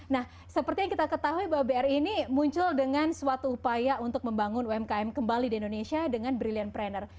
nah seperti yang kita ketahui bahwa bri ini muncul dengan suatu upaya untuk membangun umkm kembali di indonesia dengan brilliant pranner